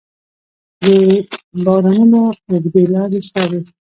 د بارانونو اوږدې لارې څارې